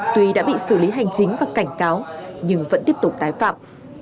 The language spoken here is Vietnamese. tuy đã bị xử lý hành chính và cảnh cáo nhưng vẫn tiếp tục tái phạm